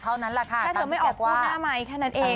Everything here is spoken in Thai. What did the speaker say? เท่านั้นแหละค่ะแค่เธอไม่ออกคู่หน้าไมค์แค่นั้นเอง